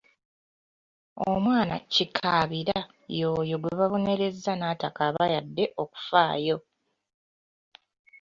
Omwana kikaabira y'oyo gwe babonereza n'atakaaba yadde okufaayo.